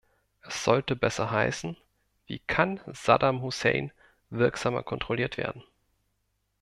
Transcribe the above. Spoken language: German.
Es sollte besser heißen "Wie kann Saddam Hussein wirksamer kontrolliert werden?